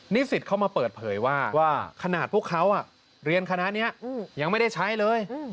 สิทธิ์เขามาเปิดเผยว่าว่าขนาดพวกเขาเรียนคณะนี้ยังไม่ได้ใช้เลย